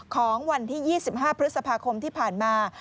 ของวันที่๒๕พฤษภาคมที่ผ่านมา